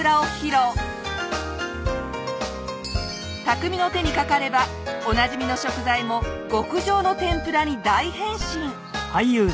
匠の手にかかればおなじみの食材も極上の天ぷらに大変身！